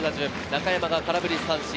中山が空振り三振。